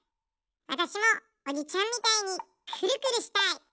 わたしもおじちゃんみたいにくるくるしたい！